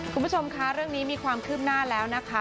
คุณผู้ชมคะเรื่องนี้มีความคืบหน้าแล้วนะคะ